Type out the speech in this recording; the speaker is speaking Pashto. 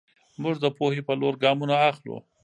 موږ د پوهې په لور ګامونه اخلو.